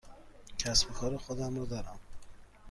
کسب و کار خودم را دارم.